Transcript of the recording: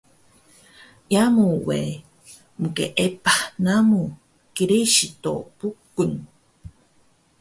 Yamu we mqeepah namu Kiristo Bukung